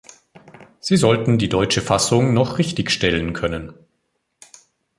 Sie sollten die deutsche Fassung noch richtig stellen können.